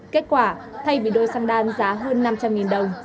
kết quả thay vì đôi sang đan giá hơn năm trăm linh đồng